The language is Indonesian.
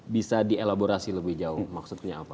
bisa dielaborasi lebih jauh maksudnya apa